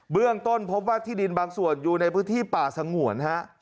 เรื่องต้นพบว่าที่ดินบางส่วนอยู่ในพื้นที่ป่าสงวนฮะ